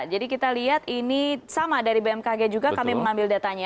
jadi kita lihat ini sama dari bmkg juga kami mengambil datanya